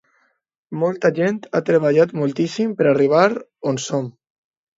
Molta gent ha treballat moltíssim per arribar on som.